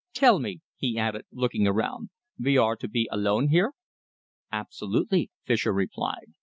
Tell me," he added, looking around, "we are to be alone here?" "Absolutely," Fischer replied.